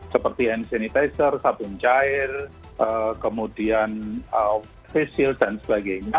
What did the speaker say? seperti hand sanitizer sabun cair kemudian face shield dan sebagainya